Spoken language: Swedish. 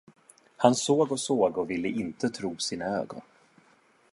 Han såg och såg och ville inte tro sina ögon.